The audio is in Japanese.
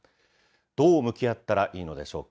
どう向き合ったらいいのでしょうか。